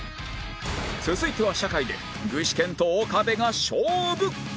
続いては社会で具志堅と岡部が勝負！